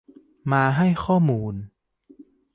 มาให้ข้อมูล